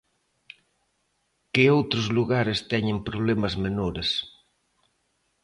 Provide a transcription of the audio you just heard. Que outros lugares teñen problemas menores.